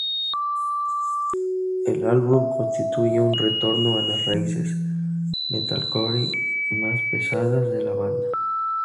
El álbum constituye un retorno a las raíces "metalcore", más pesadas, de la banda.